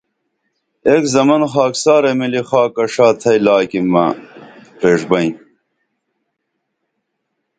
ایک زمن خاکسارہ مِلی خاکہ ݜا تھئی لاکیمہ پریݜبئیں